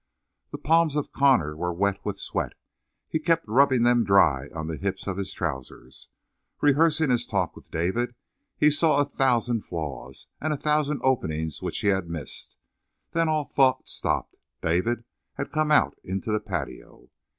The palms of Connor were wet with sweat. He kept rubbing them dry on the hips of his trousers. Rehearsing his talk with David, he saw a thousand flaws, and a thousand openings which he had missed. Then all thought stopped; David had come out into the patio.